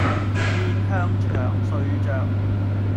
面向牆睡着